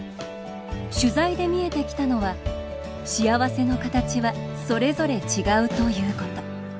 取材で見えてきたのは幸せの形はそれぞれ違うということ。